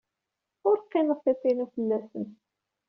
Ur qqineɣ tiṭ-inu fell-asen.